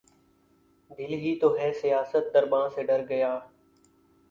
دل ہی تو ہے سیاست درباں سے ڈر گیا